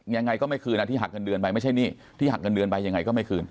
ยังไงก็ไม่คืนนะที่หักเงินเดือนไปไม่ใช่หนี้ที่หักเงินเดือนไปยังไงก็ไม่คืน